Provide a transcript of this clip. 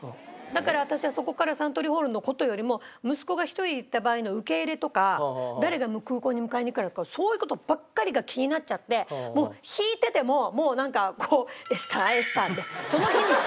だから私はそこからサントリーホールの事よりも息子が１人で行った場合の受け入れとか誰が空港に迎えに行くかだとかそういう事ばっかりが気になっちゃって弾いててももうなんかこうＥＳＴＡＥＳＴＡって。